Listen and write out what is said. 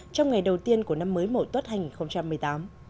trong ngày đầu tiên của năm mới mẫu tốt hai nghìn một mươi tám